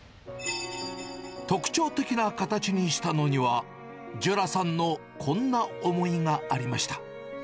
特徴的な形にしたのには、じゅらさんのこんな思いがありました。